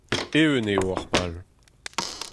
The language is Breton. Eeun eo hor pal.